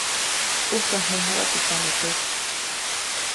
ʼUjkaŋjejuʼa teʼ tsamepät.